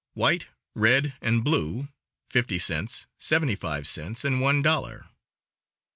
White, red, and blue fifty cents, seventy five cents, and one dollar.